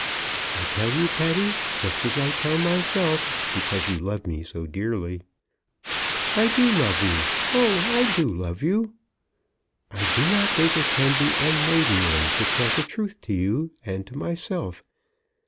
"I tell you, Patty, just as I tell myself, because you love me so dearly." "I do love you; oh, I do love you." "I do not think it can be unmaidenly to tell the truth to you and to myself.